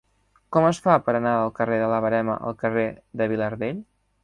Com es fa per anar del carrer de la Verema al carrer de Vilardell?